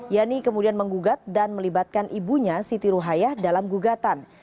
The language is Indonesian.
yani kemudian menggugat dan melibatkan ibunya siti ruhaya dalam gugatan